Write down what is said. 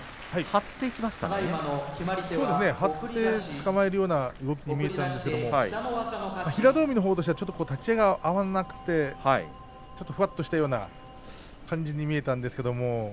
張ってつかまえるような動きに見えましたが平戸海としては立ち合いが合わなくてふわっとしたような感じに見えたんですけども。